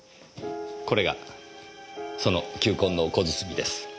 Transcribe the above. これがその球根の小包です。